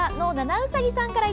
うさぎさん。